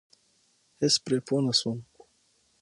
هېڅ پرې پوه نشوم.